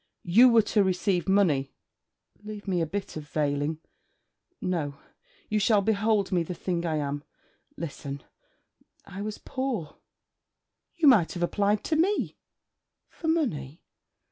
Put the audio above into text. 'You were to receive money!' 'Leave me a bit of veiling! No, you shall behold me the thing I am. Listen... I was poor...' 'You might have applied to me.' 'For money!